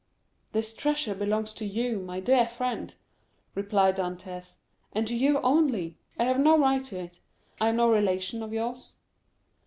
"This treasure belongs to you, my dear friend," replied Dantès, "and to you only. I have no right to it. I am no relation of yours."